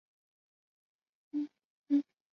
其名称来源于爱尔兰的同名地。